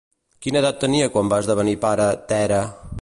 Quina edat tenia quan va esdevenir pare Tèrah?